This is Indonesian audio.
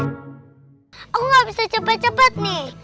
aku gak bisa cepat cepat nih